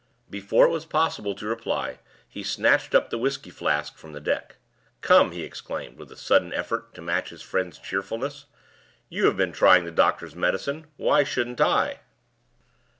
Before it was possible to reply, he snatched up the whisky flask from the deck. "Come!" he exclaimed, with a sudden effort to match his friend's cheerfulness, "you have been trying the doctor's medicine, why shouldn't I?"